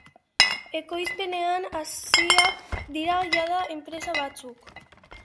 Ekoizpenean hasiak dira jada enpresa batzuk.